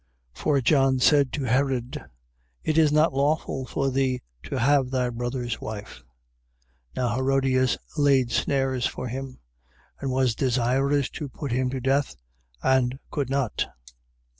6:18. For John said to Herod: It is not lawful for thee to have thy brother's wife. 6:19. Now Herodias laid snares for him: and was desirous to put him to death and could not.